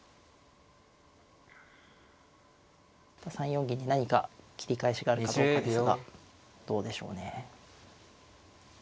３四銀に何か切り返しがあるかどうかですがどうでしょうね。